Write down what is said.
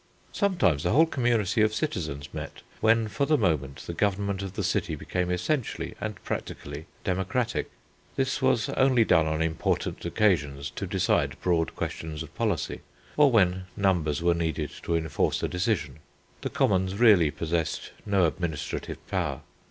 Sometimes the whole community of citizens met, when for the moment the government of the city became essentially and practically democratic. This was only done on important occasions to decide broad questions of policy, or when numbers were needed to enforce a decision. The commons really possessed no administrative power.